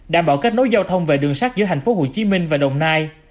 đảm bảo kết nối giao thông về đường sắt giữa thành phố hồ chí minh và đồng nai